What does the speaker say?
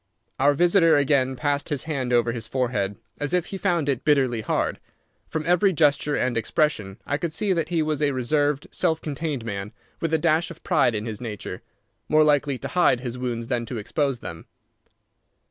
Our visitor again passed his hand over his forehead, as if he found it bitterly hard. From every gesture and expression I could see that he was a reserved, self contained man, with a dash of pride in his nature, more likely to hide his wounds than to expose them.